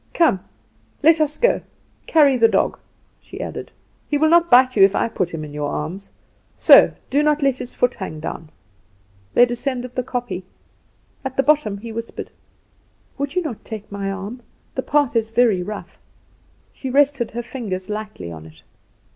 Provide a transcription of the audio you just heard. Come! let us go. Carry the dog," she added; "he will not bite you if I put him in your arms. So do not let his foot hang down." They descended the kopje. At the bottom, he whispered: "Would you not take my arm? the path is very rough." She rested her fingers lightly on it.